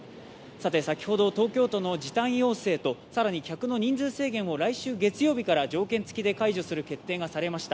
先ほど東京都の時短要請と更に客の人数制限を来週月曜日から条件付きで解除する決定がされました。